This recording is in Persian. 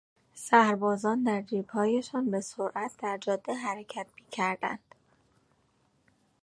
سربازان در جیبهایشان به سرعت در جاده حرکت میکردند.